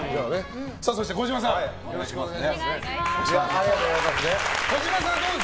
そして児嶋さんよろしくお願いします。